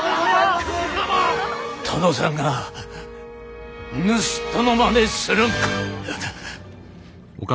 殿さんが盗人のまねするんか！